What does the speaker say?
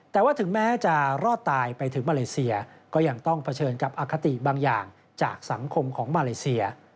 แต่ว่าถึงแม้จะรอดตายไปถึงมาเลเซียก็ยังต้องเผชิญกับอคติบางอย่างจากสังคมของมาเลเซีย